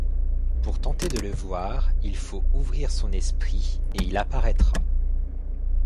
Pour tenter de le voir, il faut ouvrir son esprit et il apparaîtra.